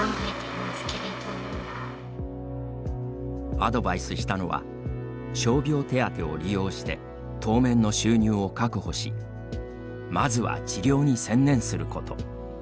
アドバイスしたのは傷病手当を利用して当面の収入を確保しまずは治療に専念すること。